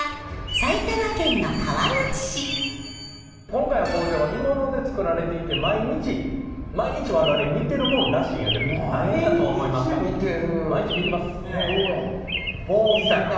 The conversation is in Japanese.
今回の工場は鋳物で作られていて毎日毎日我々見ているもんらしいんやけど何やと思いますか。